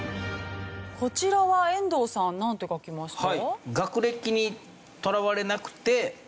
こちらは遠藤さんなんて書きました？